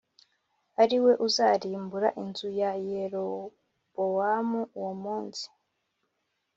ari we uzarimbura inzu ya Yerobowamu uwo munsi